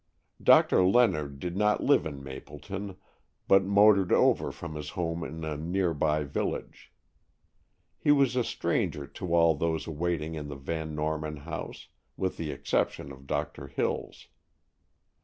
Doctor Leonard did not live in Mapleton, but motored over from his home in a nearby village. He was a stranger to all those awaiting him in the Van Norman house, with the exception of Doctor Hills.